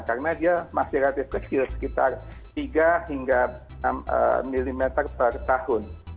karena dia masih ratif kecil sekitar tiga hingga enam mm per tahun